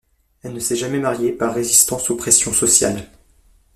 Elle ne s’est jamais mariée, par résistance aux pressions sociales.